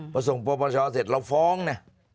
พอส่งปปชเสร็จเราฟ้องนะ